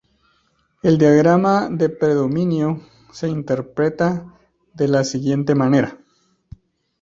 El diagrama de predominio se interpreta de la siguiente manera.